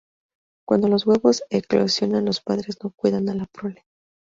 Cuando los huevos eclosionan los padres no cuidan a la prole.